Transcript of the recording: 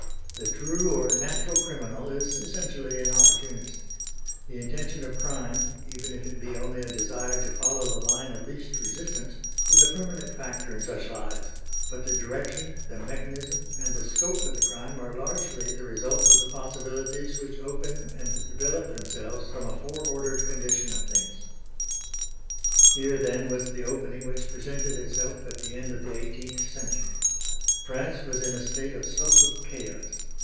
The true or natural criminal is essentially an opportunist. The intention of crime, even if it be only a desire to follow the line of least resistance, is a permanent factor in such lives, but the direction, the mechanism, and the scope of the crime are largely the result of the possibilities which open and develop themselves from a fore ordered condition of things. [Illustration: EDWARD IV AS A YOUNG MAN] Here then was the opening which presented itself at the end of the eighteenth century. France was in a state of social chaos.